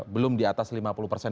belum di atas lima puluh persen